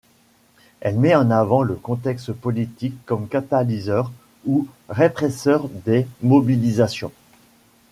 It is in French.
Elle met en avant le contexte politique comme catalyseur ou répresseur des mobilisations.